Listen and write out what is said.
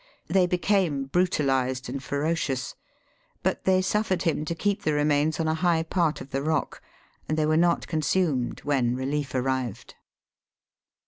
They became brutalised and ferocious ; but they suffered him to keep the remains on a high part of the rock : and they were not consumed when relief arrived.